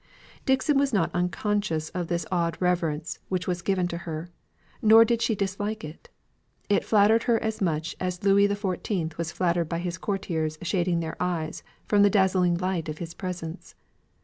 Dixon was not unconscious of this awed reverence which was given to her; nor did she dislike it: it flattered her much as Louis the Fourteenth was flattered by his courtiers shading their eyes from the dazzling light of his presence.